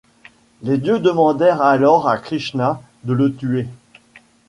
Les dieux demandèrent alors à Krishna de le tuer.